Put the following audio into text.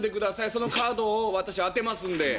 そのカードを私当てますんで。